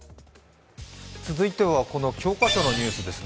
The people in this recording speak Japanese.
続いてはこの教科書のニュースですね。